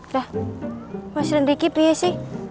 dah masih sedikit biar sih